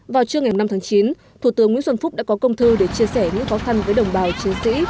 vào trưa ngày năm tháng chín thủ tướng nguyễn xuân phúc đã có công thư để chia sẻ những khó khăn với đồng bào chiến sĩ